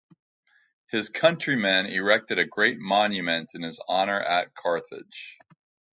His countrymen erected a great monument in his honor at Carthage.